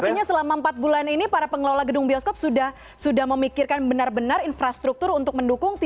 artinya selama empat bulan ini para pengelola gedung bioskop sudah memikirkan benar benar infrastruktur untuk mendukung